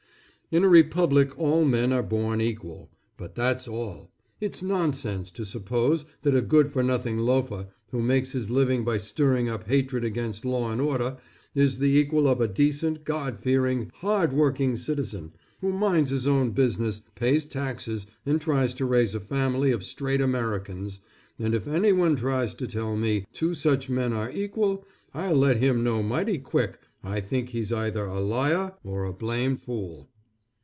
In a republic all men are born equal, but that's all. It's nonsense to suppose that a good for nothing loafer who makes his living by stirring up hatred against law and order, is the equal of a decent, God fearing, hard working citizen, who minds his own business, pays taxes, and tries to raise a family of straight Americans, and if anyone tries to tell me two such men are equal, I'll let him know mighty quick I think he's either a liar or a blame fool.